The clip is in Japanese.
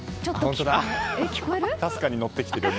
かすかにのってきてる。